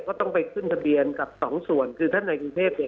ก็ต้องไปขึ้นทะเบียนกับสองส่วนคือท่านในกรุงเทพเนี่ย